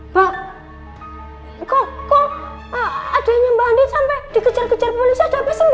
mbak kok kok adeknya mbak andin sampe dikejar kejar polisi ada apa sih mbak